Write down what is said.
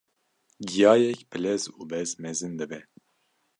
giyayek bi lez û bez mezin dibe.